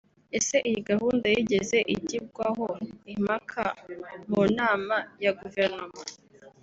Ese iyi gahunda yigeze igibwaho impaka mu nama ya guverinoma